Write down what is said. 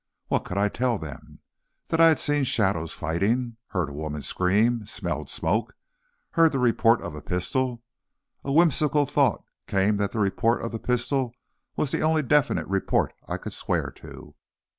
What could I tell them? That I had seen shadows fighting? Heard a woman scream? Smelled smoke? Heard the report of a pistol? A whimsical thought came that the report of the pistol was the only definite report I could swear to!